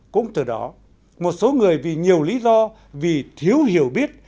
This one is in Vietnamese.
cũng từ đó một số người vì nhiều lý do vì thiếu hiểu biết